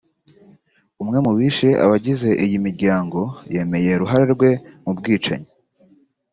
umwe mu bishe abagize iyi miryango yemeye uruhare rwe muri bwicanyi